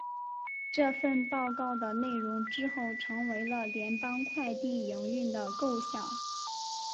这份报告的内容之后成为了联邦快递营运的构想。